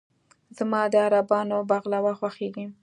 زما د عربانو "بغلاوه" خوښېږي.